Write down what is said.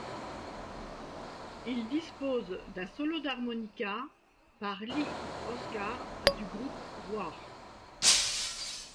Il dispose d'un solo d'harmonica par Lee Oskar du groupe War.